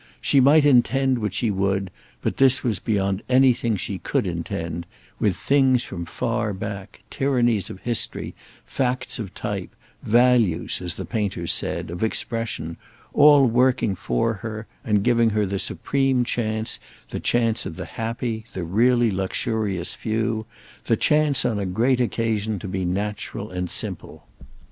She might intend what she would, but this was beyond anything she could intend, with things from far back—tyrannies of history, facts of type, values, as the painters said, of expression—all working for her and giving her the supreme chance, the chance of the happy, the really luxurious few, the chance, on a great occasion, to be natural and simple.